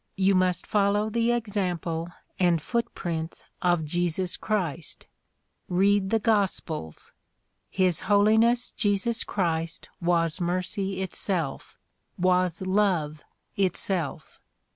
You must follow the example and foot prints of Jesus Christ. Read the gospels. His Holiness Jesus Christ was mercy itself ; was love itself.